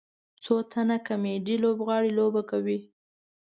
څو تنه کامیډي لوبغاړي لوبه کوي.